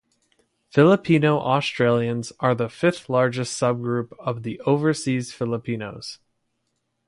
Filipino-Australians are the fifth-largest subgroup of the Overseas Filipinos.